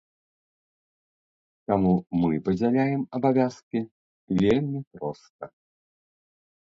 Таму мы падзяляем абавязкі вельмі проста.